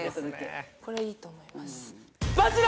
これはいいと思います。